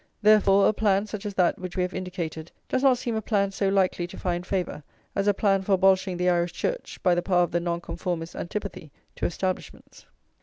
Therefore a plan such as that which we have indicated does not seem a plan so likely to find favour as a plan for abolishing the Irish Church by the power of the Nonconformists' antipathy to establishments.